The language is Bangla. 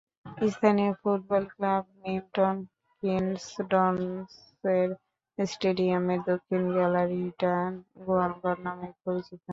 স্থানীয় ফুটবল ক্লাব মিল্টন কিনস ডনসের স্টেডিয়ামের দক্ষিণ গ্যালারিটা গোয়ালঘর নামেই পরিচিত।